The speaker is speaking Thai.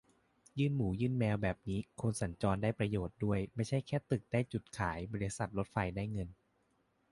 ยื่นหมูยื่นแมวแบบนี้คนสัญจรได้ประโยชน์ด้วย ไม่ใช่แค่ตึกได้จุดขาย บริษัทรถไฟได้เงิน